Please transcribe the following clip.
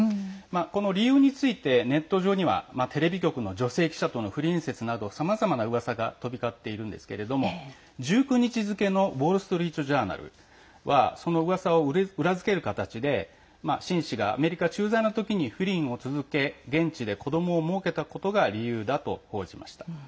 この理由についてネット上にはテレビ局の女性記者との不倫説などさまざまなうわさが飛び交っているんですけれども１９日付のウォール・ストリート・ジャーナルはそのうわさを裏付ける形で秦氏がアメリカ駐在の時に不倫を続け現地で子どもをもうけたことが理由だと報じました。